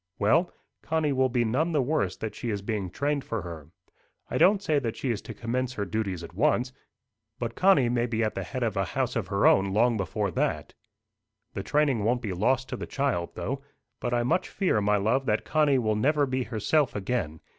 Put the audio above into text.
"Well; Connie will be none the worse that she is being trained for her. I don't say that she is to commence her duties at once." "But Connie may be at the head of a house of her own long before that." "The training won't be lost to the child though. But I much fear, my love, that Connie will never be herself again.